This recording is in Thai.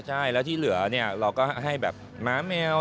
ใช่แล้วที่เหลือเนี่ยเราก็ให้แบบม้าแมว